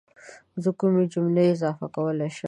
زه کومې جملې اضافه کولی شم؟